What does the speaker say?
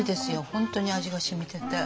本当に味がしみてて。